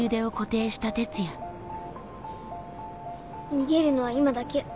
逃げるのは今だけ。